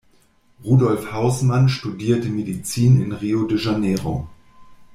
Rudolf Hausmann studierte Medizin in Rio de Janeiro.